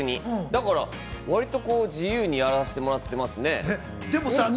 だから割と自由にさせてもらってますね。